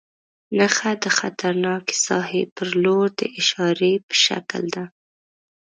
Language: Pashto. نښه د خطرناکې ساحې پر لور د اشارې په شکل ده.